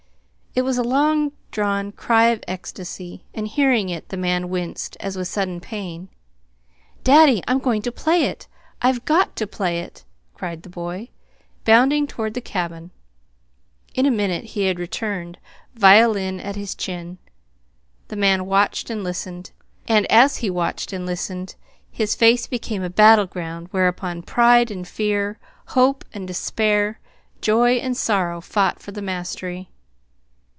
It was a long drawn cry of ecstasy, and hearing it, the man winced, as with sudden pain. "Daddy, I'm going to play it I've got to play it!" cried the boy, bounding toward the cabin. In a moment he had returned, violin at his chin. The man watched and listened; and as he watched and listened, his face became a battle ground whereon pride and fear, hope and despair, joy and sorrow, fought for the mastery.